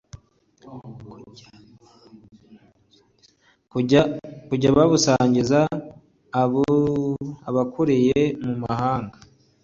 kujya babusangiza abakuriye mu mahanga kubw’impamvu zinyuranye